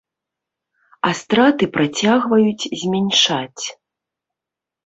А страты працягваюць змяншаць.